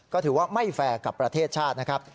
ก็ถือว่าไม่แฟร์กับประเทศชาตินะครับ